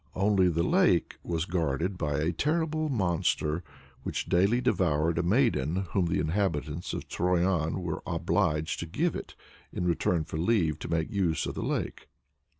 Only the lake was guarded by a terrible monster, which daily devoured a maiden, whom the inhabitants of Troyan were obliged to give to it in return for leave to make use of the lake.